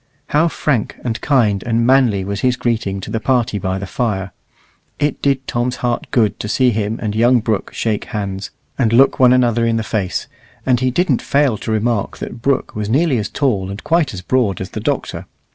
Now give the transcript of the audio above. How frank, and kind, and manly was his greeting to the party by the fire! It did Tom's heart good to see him and young Brooke shake hands, and look one another in the face; and he didn't fail to remark that Brooke was nearly as tall and quite as broad as the Doctor.